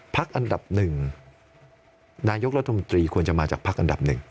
พักอันดับ๑นายกรัฐมนิตรีควรมาจากพักอันดับ๑